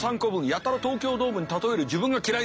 やたら東京ドームに例える自分が嫌いです。